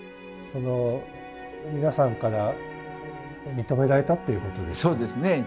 その皆さんから認められたっていうことですか。